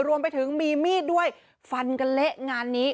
รวมไปถึงมีมีดด้วยฟันกันเละงานนี้